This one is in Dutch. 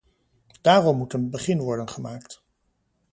Daarom moet een begin worden gemaakt.